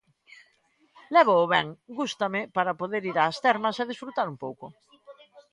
Lévoo ben, gústame, para poder ir ás termas e desfrutar un pouco.